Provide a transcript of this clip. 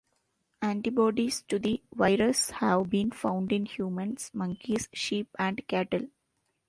Antibodies to the virus have been found in humans, monkeys, sheep, and cattle.